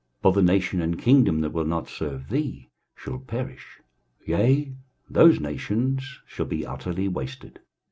23:060:012 For the nation and kingdom that will not serve thee shall perish; yea, those nations shall be utterly wasted.